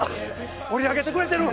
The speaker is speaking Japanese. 盛り上げてくれてる！